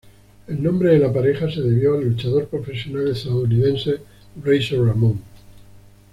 El nombre de la pareja se debió al luchador profesional estadounidense Razor Ramon.